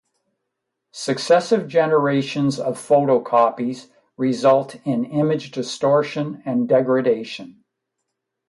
Successive generations of photocopies result in image distortion and degradation.